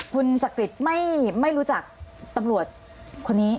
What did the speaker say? คุณจักริตไม่รู้จักตำรวจคนนี้